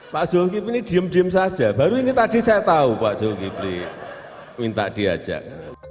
pak zulkif ini diem diem saja baru ini tadi saya tahu pak zulkifli minta diajak